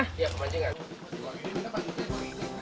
iya ke pemancingan